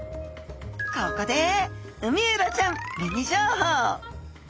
ここでウミエラちゃんミニ情報！